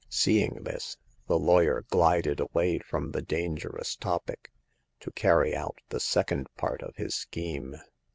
Seeing this, the lawyer glided away from the dangerous topic, to carry out the second part of his scheme.